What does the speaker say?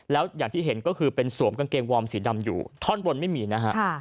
แล้วอย่างที่เห็นก็คือเป็นสวมกางเกงวอร์มสีดำอยู่ท่อนบนไม่มีนะฮะ